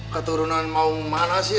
keturunan mau mana sih